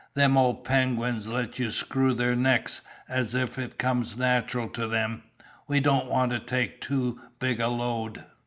Them old penguins let you screw their necks as if it come natural to them, we don't want to take too big a load."